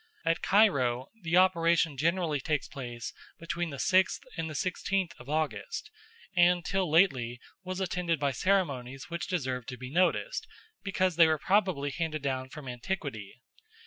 At Cairo the operation generally takes place between the sixth and the sixteenth of August, and till lately was attended by ceremonies which deserve to be noticed, because they were probably handed down from antiquity.